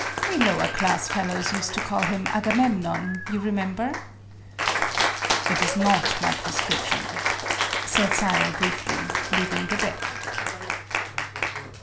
We lower class fellows used to call him Agamemnon, you remember." "It is not my prescription," said Sayre, briefly, leaving the deck.